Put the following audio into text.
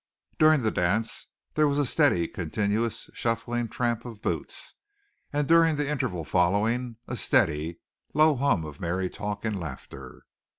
During the dance there was a steady, continuous shuffling tramp of boots, and during the interval following a steady, low hum of merry talk and laughter.